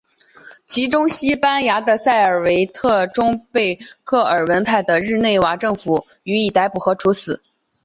其中西班牙的塞尔维特终被克尔文派的日内瓦政府予以逮捕和处死。